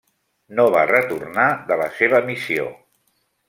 No va retornar de la seva missió.